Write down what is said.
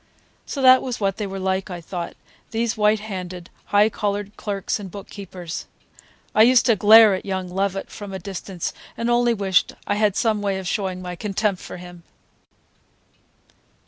So that was what they were like, I thought, these white handed, high collared clerks and bookkeepers! I used to glare at young Lovett from a distance and only wished I had some way of showing my contempt for him.